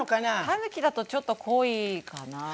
たぬきだとちょっと濃いかなぁ。